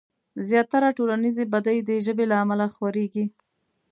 زياتره ټولنيزې بدۍ د ژبې له امله خورېږي.